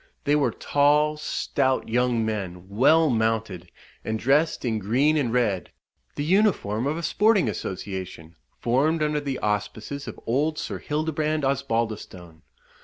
They were tall, stout young men, well mounted, and dressed in green and red, the uniform of a sporting association, formed under the auspices of old Sir Hildebrand Osbaldistone.